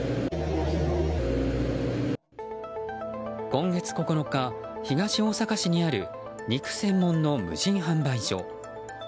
今月９日、東大阪市にある肉専門の無人販売所。